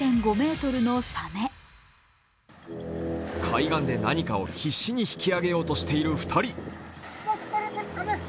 海岸で何かを必死に引き揚げようとしている２人。